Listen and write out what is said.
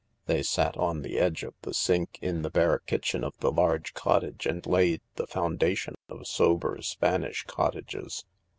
They sat on the edge of the sink in the bare kitchen of the large cottage and laid the foundation of sober Spanish cottages.